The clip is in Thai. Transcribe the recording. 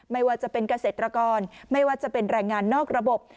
ไม่ว่าจะเป็นเกษตรกรไม่ว่าจะเป็นแรงงานนอกระบบ